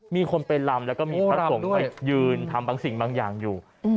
มีคนไปลำแล้วก็มีพระสงฆ์ไปยืนทำบางสิ่งบางอย่างอยู่